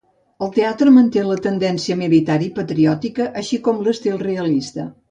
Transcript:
El teatre manté la tendència militar i patriòtica, així com l'estil realista.